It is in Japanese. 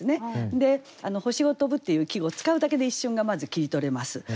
星を飛ぶっていう季語を使うだけで一瞬がまず切り取れます。